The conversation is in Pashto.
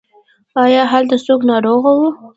ایا هلته څوک ناروغ و؟